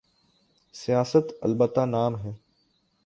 سیاست؛ البتہ نام ہے۔